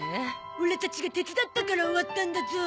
オラたちが手伝ったから終わったんだゾ。